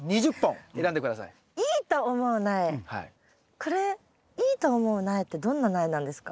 これいいと思う苗ってどんな苗なんですか？